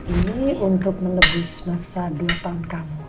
ini untuk melebis masa duatan kamu